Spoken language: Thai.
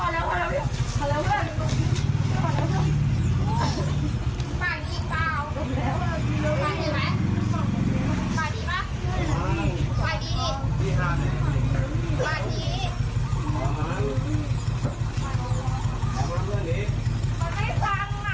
นี่ค่ะ